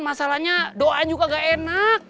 masalahnya doain juga gak enak